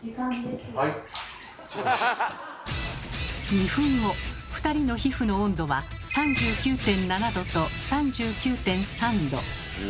２分後２人の皮膚の温度は３９．７℃と３９．３℃。